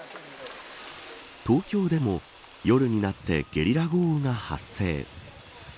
東京でも夜になってゲリラ豪雨が発生。